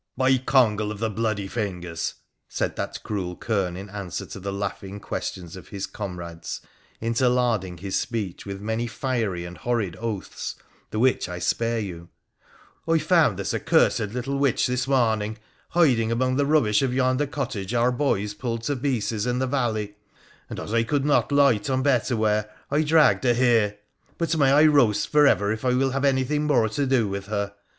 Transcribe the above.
' By Congal of the Bloody Fingers,' said that cruel kern in answer to the laughing questions of his comrades, inter larding his speech with many fiery and horrid oaths, the which I spare you —' I found this accursed little witch this morning hiding among the rubbish of yonder cottage our boys pulled to pieces in the valley ; and, as I could not light on better ware, I dragged her here. But may I roast for ever if I will have anything more to do with her.